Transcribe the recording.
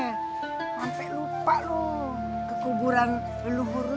sampai lupa lu kekuburan leluhur lu